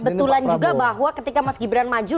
tapi kebetulan juga bahwa ketika mas gibran maju